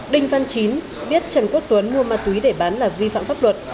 đinh văn chín biết trần quốc tuấn mua ma túy để bán là vi phạm pháp luật